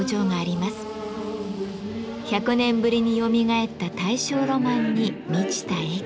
１００年ぶりによみがえった大正ロマンに満ちた駅。